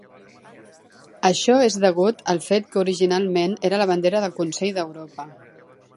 Això és degut al fet que originalment era la bandera del Consell d'Europa.